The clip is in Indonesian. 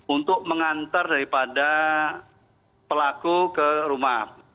untuk mengantar daripada pelaku ke rumah